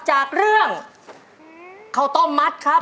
จากเรื่องข้าวต้มมัดครับ